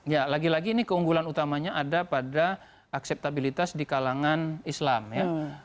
ya lagi lagi ini keunggulan utamanya ada pada akseptabilitas di kalangan islam ya